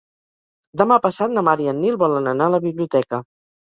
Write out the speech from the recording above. Demà passat na Mar i en Nil volen anar a la biblioteca.